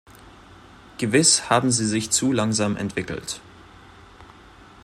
Gewiss haben sie sich zu langsam entwickelt.